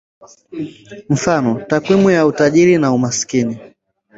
Mfano: takwimu ya utajiri na umaskini.